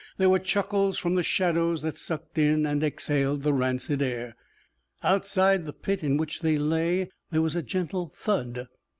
There were chuckles from the shadows that sucked in and exhaled the rancid air. Outside the pit in which they lay, there was a gentle thud.